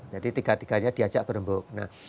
jadi tiga tiganya diajak berhubung